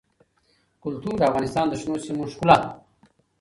کلتور د افغانستان د شنو سیمو ښکلا ده.